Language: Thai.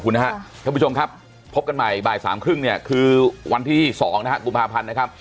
ขอบคุณนะครับคุณผู้ชมครับพบกันใหม่บ่าย๓๓๐นี่คือวันที่๒นะครับกุมภาพันธ์นะครับ